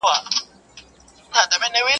o چي وائې ورې وې وايه، چي وې وينې مې وايه.